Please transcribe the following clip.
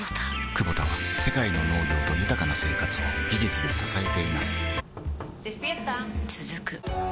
クボタは世界の農業と豊かな生活を技術で支えています起きて。